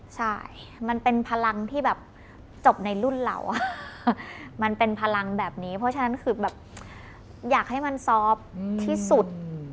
ใช่มันเป็นพลังที่แบบจบในรุ่นเรามันเป็นพลังแบบนี้เพราะฉะนั้นคือแบบอยากให้มันซอฟต์ที่สุด